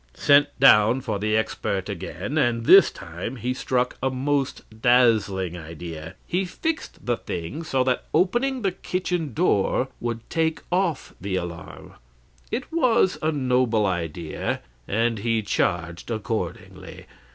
"Sent down for the expert again, and this time he struck a most dazzling idea he fixed the thing so that opening the kitchen door would take off the alarm. It was a noble idea, and he charged accordingly.